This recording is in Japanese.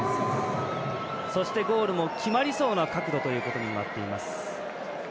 そしてゴールも決まりそうな角度ということになっています。